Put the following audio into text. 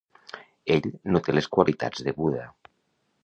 Ell no té les qualitats de Buddha.